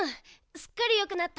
すっかりよくなった。